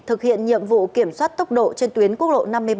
thực hiện nhiệm vụ kiểm soát tốc độ trên tuyến quốc lộ năm mươi bảy